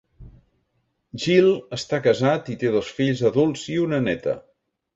Gill està casat i té dos fills adults i una néta.